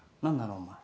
お前。